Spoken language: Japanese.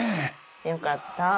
よかった。